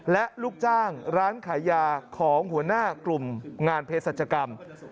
และลูกจ้างร้านขายยาของหัวหน้ากลุ่มงานเพศรัชกรรม